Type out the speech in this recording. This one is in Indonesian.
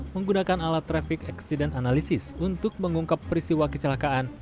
menggunakan alat traffic accident analysis untuk mengungkap peristiwa kecelakaan